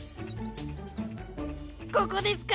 ここですか！？